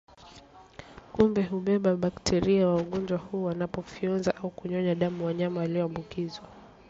Kupe hubeba bakteria wa ugonjwa huu wanapowafyonza au kunyonya damu wanyama walioambukizwa